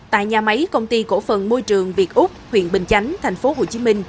tại nhà máy công ty cổ phần môi trường việt úc huyện bình chánh tp hcm